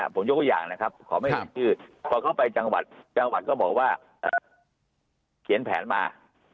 ผมยกอย่างนะครับเขาไปจังหวัดจังหวัดก็บอกว่าเขียนแผนมา